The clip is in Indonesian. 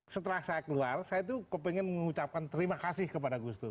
setelah saya keluar saya itu kepengen mengucapkan terima kasih kepada gus dur